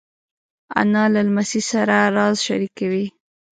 انا له لمسۍ سره راز شریکوي